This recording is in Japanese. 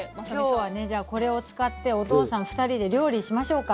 今日はねじゃあこれを使ってお父さん２人で料理しましょうか。